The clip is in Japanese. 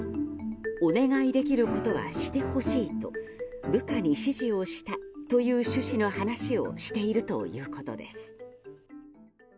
お願いできることはしてほしいと部下に指示をしたという趣旨の話をしているということです。